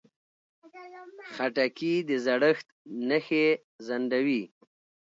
خټکی د زړښت نښې ځنډوي.